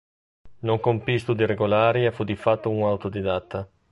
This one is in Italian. Non compì studi regolari e fu di fatto un autodidatta.